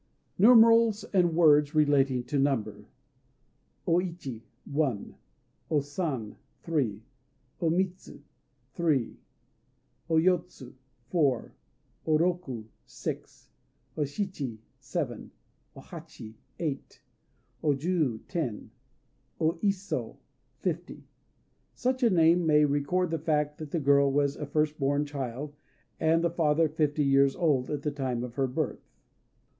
NUMERALS AND WORDS RELATING TO NUMBER O Ichi "One." O San "Three." O Mitsu "Three." O Yotsu "Four." O Roku "Six." O Shichi "Seven." O Hachi "Eight." O Jû "Ten." O Iso "Fifty." Such a name may record the fact that the girl was a first born child, and the father fifty years old at the time of her birth.